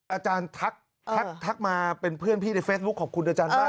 อาจารย์ทักมาเป็นเพื่อนพี่ในเฟซบุ๊คขอบคุณอาจารย์มาก